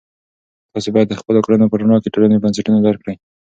تاسې باید د خپلو کړنو په رڼا کې د ټولنې بنسټونه درک کړئ.